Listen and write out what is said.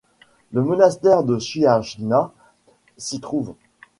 Le monastère de Chiajna s'y trouve.